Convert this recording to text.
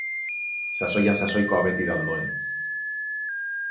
Sasoian sasoikoa beti da ondoen.